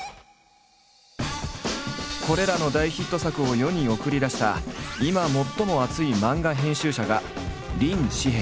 これらの大ヒット作を世に送り出した今最も熱い漫画編集者が林士平。